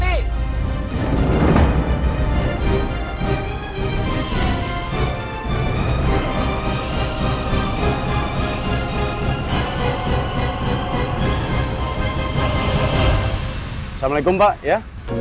assalamualaikum pak ya